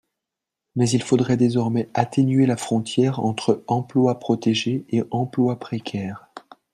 Mais il faudrait désormais atténuer la frontière entre emplois protégés et emplois précaires.